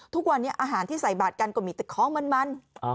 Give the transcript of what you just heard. ทุกวันนี้อาหารที่ใส่บาทกันก็มีแต่ของมัน